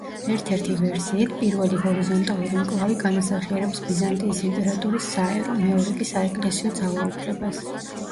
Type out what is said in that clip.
ერთ-ერთი ვერსიით, პირველი ჰორიზონტალური მკლავი განასახიერებს ბიზანტიის იმპერატორის საერო, მეორე კი საეკლესიო ძალაუფლებას.